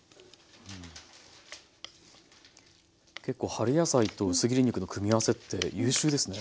結構春野菜と薄切り肉の組み合わせって優秀ですね。